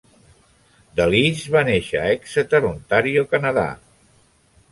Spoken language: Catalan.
De Lisle va néixer a Exeter, Ontario, Canadà.